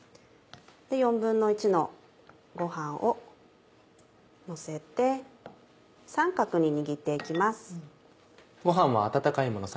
１／４のごはんをのせて三角に握って行きます。